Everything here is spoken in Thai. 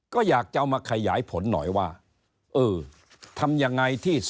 ก็อยากจะเอามาขยายผลหน่อยว่าเออทำยังไงที่